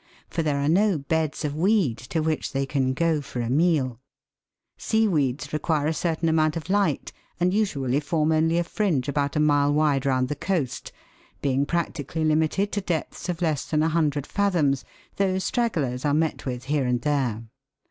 For there are no beds of weed to which they can go for a meal. Seaweeds require a certain amount of light, and usually form only a fringe about a mile wide round the coast, being practically limited to depths of less than a hundred fathoms, though stragglers are met with here and there.